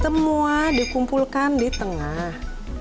semua dikumpulkan di tengah